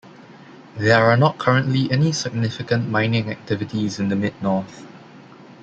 There are not currently any significant mining activities in the Mid North.